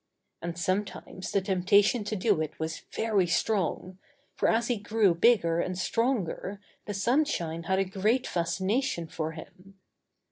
And sometimes the temp tation to do it was very strong, for as he grew bigger and stronger the sunshine had a great fascination for him.